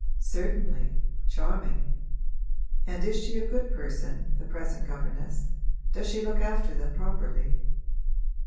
'Certainly charming. And is she a good person, the present governess? Does she look after them properly?'